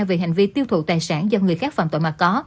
về hành vi tiêu thụ tài sản do người khác phạm tội mà có